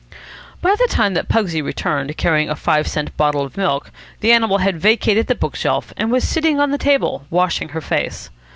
By the time that Pugsy returned, carrying a five cent bottle of milk, the animal had vacated the book shelf, and was sitting on the table, washing her face.